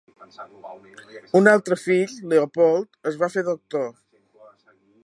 Un altre fill, Leopold, es va fer doctor.